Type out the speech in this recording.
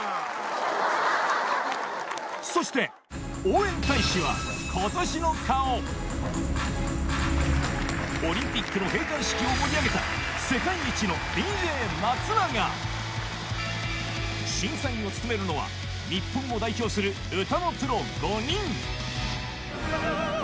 そして応援大使は今年の顔オリンピックの閉会式を盛り上げた世界一の ＤＪ 松永審査員を務めるのは日本を代表する歌のプロ５人